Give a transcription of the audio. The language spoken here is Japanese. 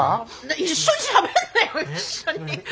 一緒にしゃべんなよ一緒に。